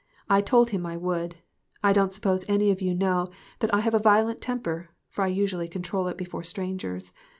I told him I would. I don't suppose any of you know that I have a violent temper, for I usually control it before strangers.